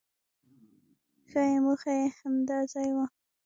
ښایي موخه یې همدا ځای وي.